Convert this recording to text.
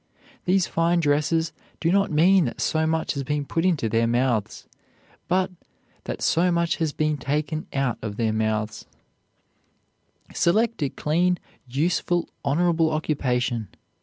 These fine dresses do not mean that so much has been put into their mouths, but that so much has been taken out of their mouths. Select a clean, useful, honorable occupation.